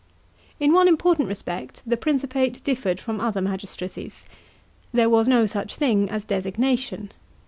17 In one important respect the Principate differed from other magistracies. There was no such thing as designation.